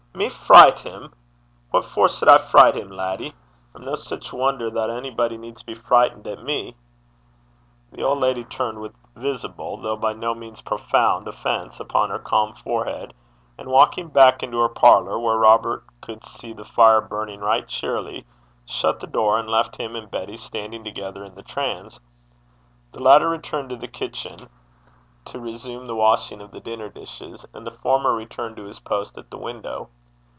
'Me fricht him! What for suld I fricht him, laddie? I'm no sic ferlie (wonder) that onybody needs be frichtit at me.' The old lady turned with visible, though by no means profound offence upon her calm forehead, and walking back into her parlour, where Robert could see the fire burning right cheerily, shut the door, and left him and Betty standing together in the transe. The latter returned to the kitchen, to resume the washing of the dinner dishes; and the former returned to his post at the window.